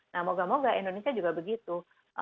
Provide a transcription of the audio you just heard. nah moga moga indonesia juga begitu